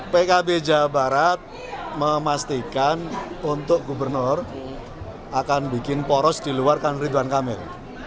pkb jawa barat memastikan untuk gubernur akan bikin poros di luar kan ridwan kamil